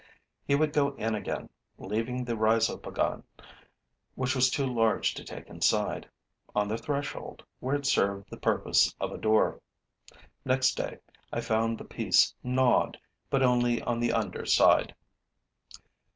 He would go in again, leaving the rhizopogon, which was too large to take inside, on the threshold, where it served the purpose of a door. Next day, I found the piece gnawed, but only on the under side.